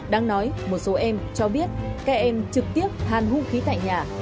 đáng nói một số em cho biết các em trực tiếp hàn hung khí tại nhà